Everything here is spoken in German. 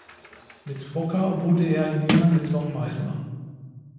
Mit Boca wurde er in jener Saison Meister.